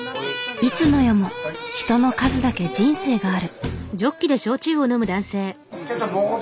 いつの世も人の数だけ人生がある。